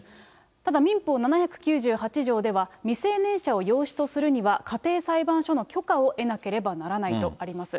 ただ民法７９８条では、未成年者を養子とするには、家庭裁判所の許可を得なければならないとあります。